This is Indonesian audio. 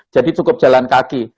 jadi cukup jalan kaki